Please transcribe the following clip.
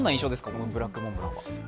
このブラックモンブランは。